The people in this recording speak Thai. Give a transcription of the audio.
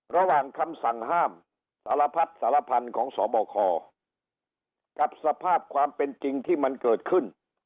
ระหว่างคำสั่งห้ามสารพัดสารพันธุ์ของสบคกับสภาพความเป็นจริงที่มันเกิดขึ้น